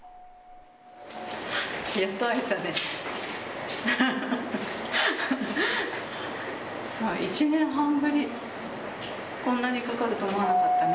やっと会えたね。